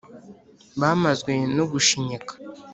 bamazwe no gushinyika